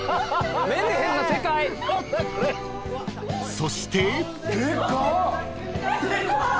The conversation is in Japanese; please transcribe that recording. ［そして］